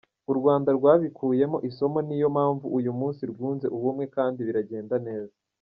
U Rwanda rwabikuyemo isomo niyo mpamvu uyu munsi rwunze ubumwe kandi biragenda neza.